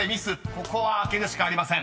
ここは開けるしかありません］